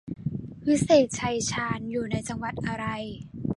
วิเศษชัยชาญ อยู่ในจังหวัดอะไร